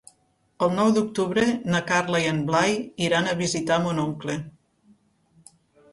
El nou d'octubre na Carla i en Blai iran a visitar mon oncle.